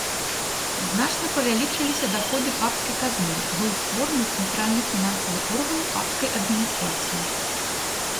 Значна павялічыліся даходы папскай казны, быў створаны цэнтральны фінансавы орган папскай адміністрацыі.